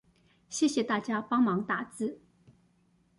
謝謝大家幫忙打字